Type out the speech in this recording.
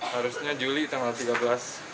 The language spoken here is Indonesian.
harusnya juli tanggal tiga belas